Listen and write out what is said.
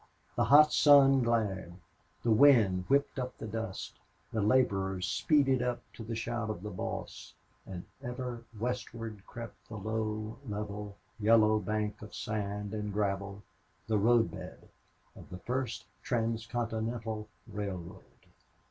The hot sun glared, the wind whipped up the dust, the laborers speeded up to the shout of the boss. And ever westward crept the low, level, yellow bank of sand and gravel the road bed of the first transcontinental railway.